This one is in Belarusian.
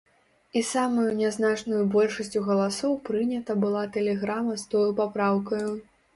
І самаю нязначнаю большасцю галасоў прынята была тэлеграма з тою папраўкаю.